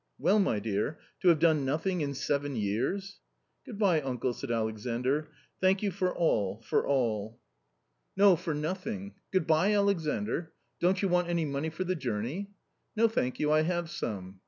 " Well, my dear, to have done nothing in se^eji^yjears J "__.." Good bye, uncle," said Alexandr. " Tha*nk you for all, for all." 234 A COMMON STORY " No, for nothing. Good bye, Alexandr ? Don't you want any money for the journey ?" I ^No, thank you, I have some."